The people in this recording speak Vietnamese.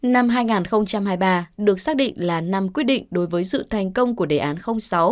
năm hai nghìn hai mươi ba được xác định là năm quyết định đối với sự thành công của đề án sáu